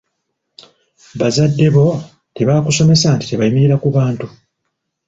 “Bazadde bo tebaakusomesa nti tebayimirira ku bantu?